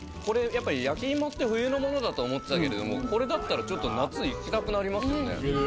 これやっぱり焼き芋って冬のものだと思ってたけれどもこれだったらちょっと夏いきたくなりますよね。